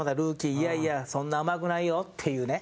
いやいやそんな甘くないよっていうね。